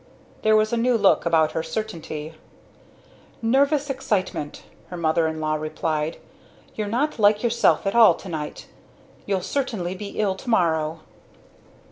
There was a new look about her certainly. "Nervous excitement," her mother in law replied. "You're not like yourself at all to night. You'll certainly be ill to morrow!"